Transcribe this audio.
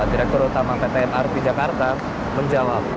direktur utama pt mrt jakarta menjawab